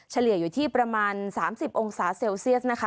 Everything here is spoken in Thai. เฉลี่ยอยู่ที่ประมาณ๓๐องศาเซลเซียสนะคะ